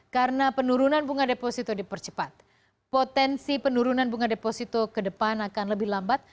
karena penurunan bunga deposito dipercepat potensi penurunan bunga deposito ke depan akan lebih lambat